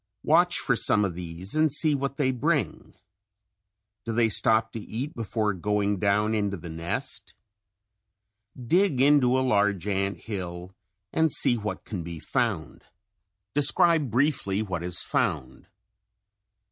Watch for some of these and see what they bring. Do they stop to eat before going down into the nest? Dig into a large ant hill and see what can be found. Describe briefly what is found.